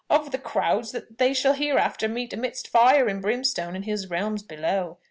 of the crowds that they shall hereafter meet amidst fire and brimstone in his realms below.